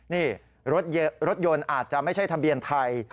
นี่รถยนต์อาจจะไม่ใช่ทะเบียนไทย